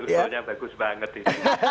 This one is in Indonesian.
usulnya bagus banget ini